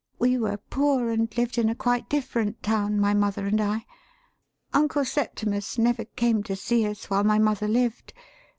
We were poor and lived in a quite different town, my mother and I. Uncle Septimus never came to see us while my mother lived.